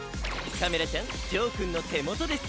カメラちゃんジョーくんの手元です。